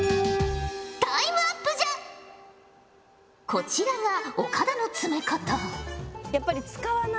こちらが岡田の詰め方。